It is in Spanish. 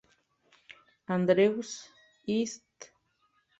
Andrew’s y St.